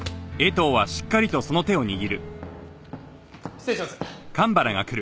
失礼します。